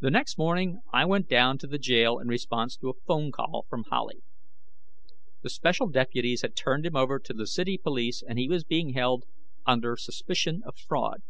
The next morning, I went down to the jail in response to a phone call from Howley. The special deputies had turned him over to the city police and he was being held "under suspicion of fraud."